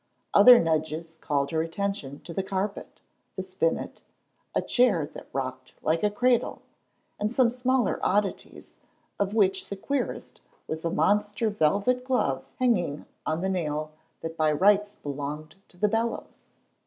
Other nudges called her attention to the carpet, the spinet, a chair that rocked like a cradle, and some smaller oddities, of which the queerest was a monster velvet glove hanging on the nail that by rights belonged to the bellows.